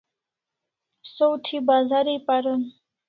Saw thi Bazar ai paron